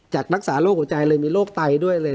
รักษาโรคหัวใจเลยมีโรคไตด้วยเลย